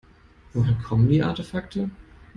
Woher kommen die Artefakte?